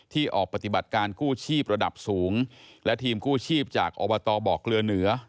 ออกปฏิบัติการกู้ชีพระดับสูงและทีมกู้ชีพจากอบตบ่อเกลือเหนือ